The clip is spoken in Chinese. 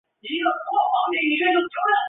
该文物保护单位由公主岭市文管所管理。